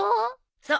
そう。